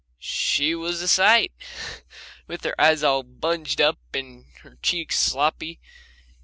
She was a sight, with her eyes all bunged up and her cheeks sloppy.